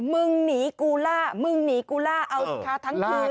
มึงหนีกูล่ามึงหนีกูล่าเอาสิคะทั้งคืน